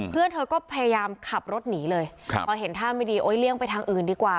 เพื่อนเธอก็พยายามขับรถหนีเลยพอเห็นท่าไม่ดีโอ๊ยเลี่ยงไปทางอื่นดีกว่า